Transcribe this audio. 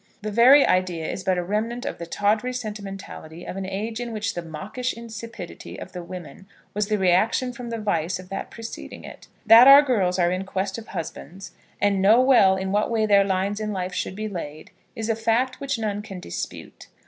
The very idea is but a remnant of the tawdry sentimentality of an age in which the mawkish insipidity of the women was the reaction from the vice of that preceding it. That our girls are in quest of husbands, and know well in what way their lines in life should be laid, is a fact which none can dispute.